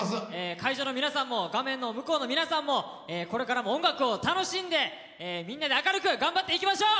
会場の皆さんも画面の向こうの皆さんもこれからも音楽を楽しんでみんなで明るく頑張っていきましょう！